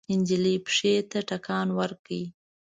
نجلۍ پښې ته ټکان ورکړ.